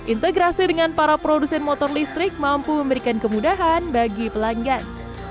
integrasi dengan para produsen motor listrik mampu memberikan kemudahan bagi pelanggan